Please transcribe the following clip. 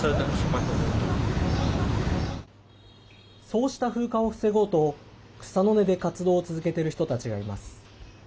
そうした風化を防ごうと草の根で活動を続けている人たちがいます。